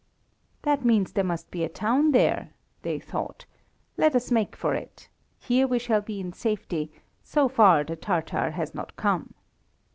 That means there must be a town there, they thought, let us make for it, there we shall be in safety, so far the Tatar has not come.